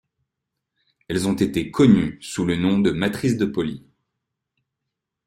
Elles ont été connues sous le nom de matrices de Pauli.